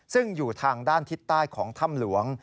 ซึ่งอยู่ทางด้านทิศใต้ของถ้ำหลวง